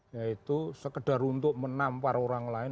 yaitu sekedar untuk menampar orang lain